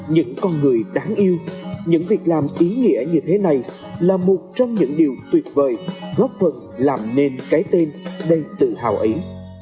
những con người đáng yêu những việc làm ý nghĩa như thế này là một trong những điều tuyệt vời góp phần làm nên cái tên đầy tự hào ấy